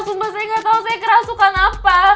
sumpah saya gak tahu saya kerasukan apa